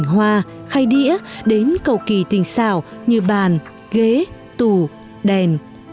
hình hoa khay đĩa đến cầu kỳ tình xào như bàn ghế tủ đèn